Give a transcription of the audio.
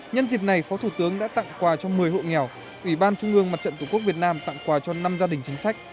nhân dịp này phó thủ tướng đã tặng quà cho một mươi hộ nghèo ủy ban trung ương mặt trận tổ quốc việt nam tặng quà cho năm gia đình chính sách